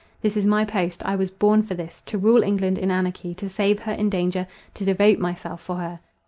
"This is my post: I was born for this—to rule England in anarchy, to save her in danger—to devote myself for her.